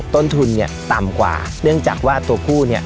ต้นทุนเนี่ยต่ำกว่าเนื่องจากว่าตัวผู้เนี่ย